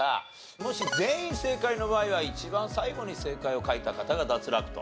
もし全員正解の場合は一番最後に正解を書いた方が脱落と。